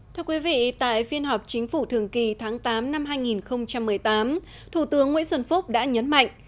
thưa quý vị tại phiên họp chính phủ thường kỳ tháng tám năm hai nghìn một mươi tám thủ tướng nguyễn xuân phúc đã nhấn mạnh